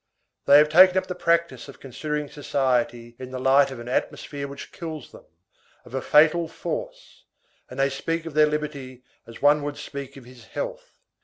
They have taken up the practice of considering society in the light of an atmosphere which kills them, of a fatal force, and they speak of their liberty as one would speak of his health.